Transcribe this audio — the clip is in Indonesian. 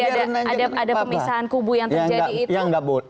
jadi ada pemisahan kubu yang terjadi itu